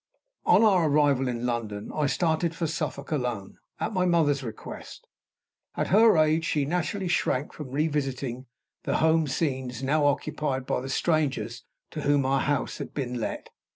On our arrival in London, I started for Suffolk alone at my mother's request. At her age she naturally shrank from revisiting the home scenes now occupied by the strangers to whom our house had been let.